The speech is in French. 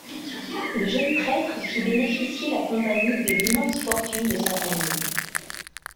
Le jeune prêtre fit bénéficier la Compagnie de l'immense fortune de sa famille.